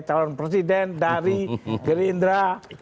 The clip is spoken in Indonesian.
talon presiden dari gerindra